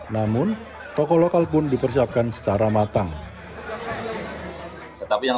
namun toko lokal pun dipersiapkan secara matang